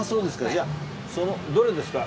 じゃあそのどれですか？